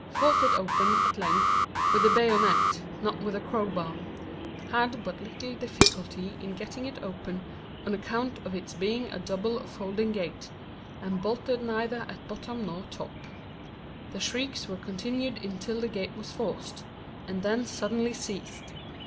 Forced it open, at length, with a bayonet—not with a crowbar. Had but little difficulty in getting it open, on account of its being a double or folding gate, and bolted neither at bottom not top. The shrieks were continued until the gate was forced—and then suddenly ceased.